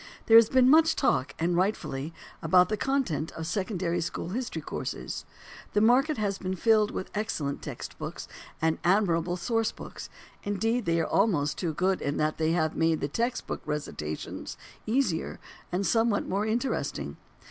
There has been much talk, and rightfully, about the content of secondary school history courses. The market has been filled with excellent text books and admirable source books indeed they are almost too good in that they have made text book recitations easier and somewhat more interesting.